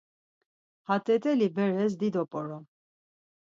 Ha t̆et̆eli beres dido p̌orom.